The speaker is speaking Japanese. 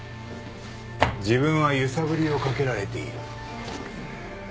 自分は揺さぶりをかけられているそう思うだろう。